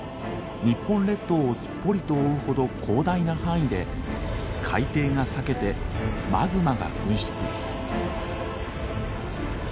日本列島をすっぽりと覆うほど広大な範囲で海底が裂けてマグマが噴出。